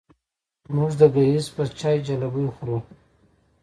موږ د ګیځ په چای جلبۍ خورو.